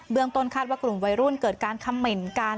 ต้นคาดว่ากลุ่มวัยรุ่นเกิดการคำเหม็นกัน